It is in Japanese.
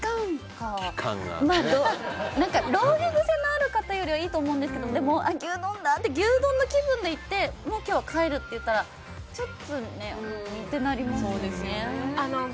浪費癖のある方よりはいいと思うんですけどでも、牛丼だ！って牛丼の気分で行ってもう今日は帰るって言ったらちょっとうーんってなりますね。